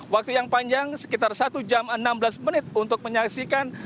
waktu yang panjang sekitar satu jam enam belas menit untuk menyaksikan